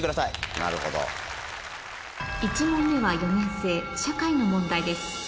１問目は４年生社会の問題です